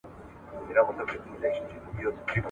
نه په یخ نه په ګرمي کي سو فارغ له مصیبته !.